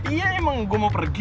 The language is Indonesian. iya emang gue mau pergi